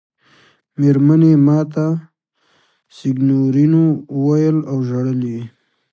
مېرمنې یې ما ته سېګنورینو وویل او ژړل یې.